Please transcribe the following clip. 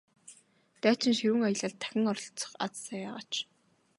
Дайчин ширүүн аялалд дахин оролцох аз заяагаач!